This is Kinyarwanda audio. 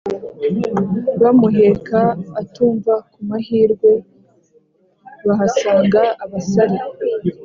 Bamuheka atumva kumahirwe bahasanga abasare